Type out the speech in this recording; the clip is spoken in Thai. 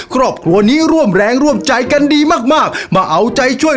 ครอบครัวนี้ร่วมแรงร่วมใจกันดีมากมากมาเอาใจช่วย